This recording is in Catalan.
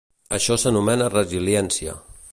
Això s'anomena resiliència.